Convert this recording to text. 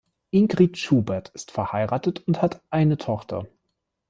Ingrid Schubert ist verheiratet und hat eine Tochter.